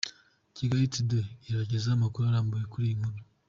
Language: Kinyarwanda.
Kigali Today irabagezaho amakuru arambuye kuri iyi nkuru.